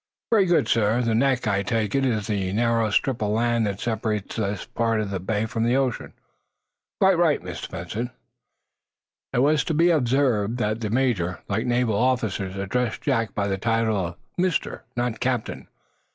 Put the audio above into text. "Very good, sir. The neck, I take it, is the narrow strip of land that separates this part of the bay from the ocean?" "Quite right, Mr. Benson." It was to be observed that the major, like naval officers, addressed Jack by the title of "mister," not "captain."